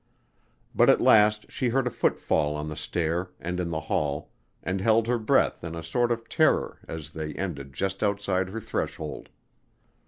But at last she heard a footfall on the stair and in the hall and held her breath in a sort of terror as they ended just outside her threshold.